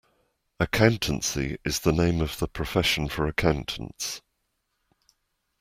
Accountancy is the name of the profession for accountants